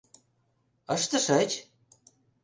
Ыштышыч?